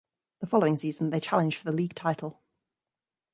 The following season they challenged for the league title.